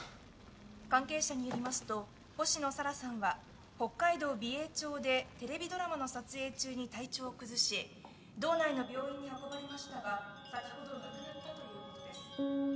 関係者によりますと星野沙羅さんは北海道美瑛町でテレビドラマの撮影中に体調を崩し道内の病院に運ばれましたが先ほど亡くなったということです。